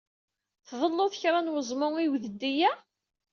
Tḍelluḍ kra n weẓmu i udeddi-a?